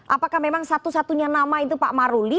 apakah memang satu satunya nama itu pak maruli